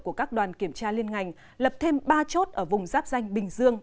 của các đoàn kiểm tra liên ngành lập thêm ba chốt ở vùng giáp danh bình dương